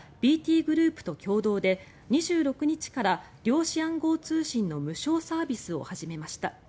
ＢＴグループと共同で２６日から量子暗号通信の無償サービスを始めました。